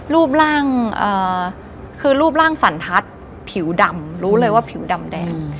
รูปร่างคือรูปร่างสันทัศน์ผิวดำรู้เลยว่าผิวดำแดง